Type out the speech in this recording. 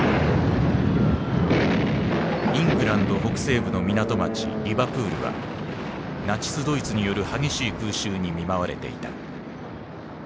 イングランド北西部の港町リバプールはナチス・ドイツによる激しい空襲に見舞われていた。